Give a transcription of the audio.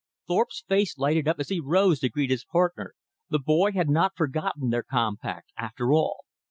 Thorpe's face lighted up as he rose to greet his partner. The boy had not forgotten their compact after all.